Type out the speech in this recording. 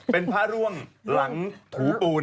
เป็นพระร่วงหลังถูปูน